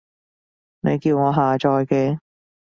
你叫我下載嘅